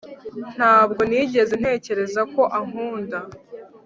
Ntabwo nigeze ntekereza ko ankunda